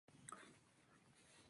El matrimonio fue feliz y estable.